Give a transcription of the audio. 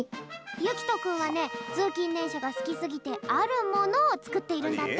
ゆきとくんはねつうきんでんしゃがすきすぎてあるものをつくっているんだって。